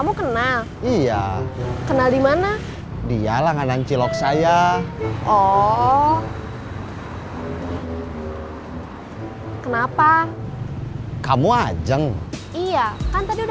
sekarang jualan cilok bantuin saya